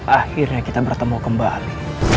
akhirnya kita bertemu kembali